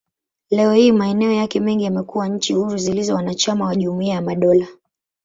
Leo hii, maeneo yake mengi yamekuwa nchi huru zilizo wanachama wa Jumuiya ya Madola.